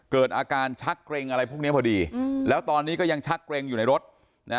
เกิดอาการชักเกร็งอะไรพวกนี้พอดีแล้วตอนนี้ก็ยังชักเกรงอยู่ในรถนะ